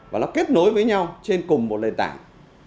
và nó kết nối với nhau trên cùng một lề tảng